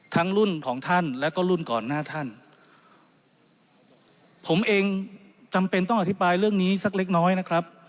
รุ่นของท่านแล้วก็รุ่นก่อนหน้าท่านผมเองจำเป็นต้องอธิบายเรื่องนี้สักเล็กน้อยนะครับ